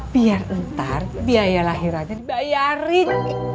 biar ntar biaya lahir aja dibayarin